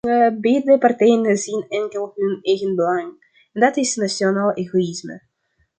Beide partijen zien enkel hun eigen belang, en dat is nationaal egoïsme.